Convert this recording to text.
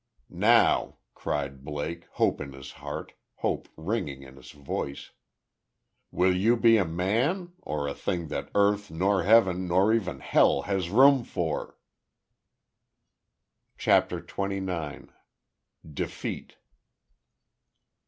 "Now," cried Blake, hope in his heart hope ringing in his voice, "will you be a man, or a thing that earth, nor heaven, nor even hell has room for?" CHAPTER TWENTY NINE. DEFEAT.